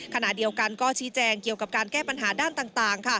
ขณะเดียวกันก็ชี้แจงเกี่ยวกับการแก้ปัญหาด้านต่าง